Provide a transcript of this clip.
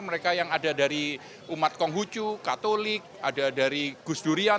mereka yang ada dari umat konghucu katolik ada dari gus durian